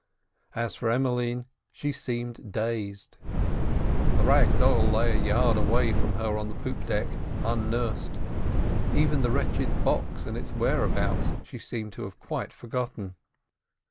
As for Emmeline, she seemed dazed. The rag doll lay a yard away from her on the poop deck unnursed; even the wretched box and its whereabouts she seemed to have quite forgotten.